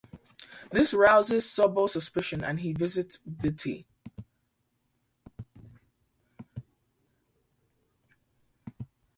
This rouses Sobel's suspicion, and he visits Vitti.